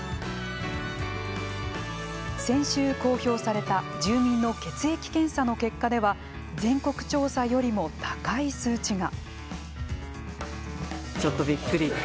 先週、公表された住民の血液検査の結果では全国調査よりも高い数値が。